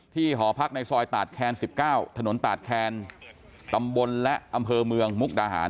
หอพักในซอยตาดแคน๑๙ถนนตาดแคนตำบลและอำเภอเมืองมุกดาหาร